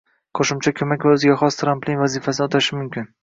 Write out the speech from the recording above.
qo‘shimcha ko‘mak va o‘ziga xos tramplin vazifasini o‘tashi mumkin.